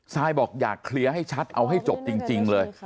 ซายบอกอยากเคลียร์ให้ชัดเอาให้จบจริงเลย